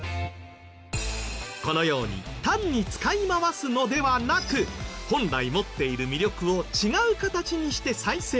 このように単に使い回すのではなく本来持っている魅力を違う形にして再生。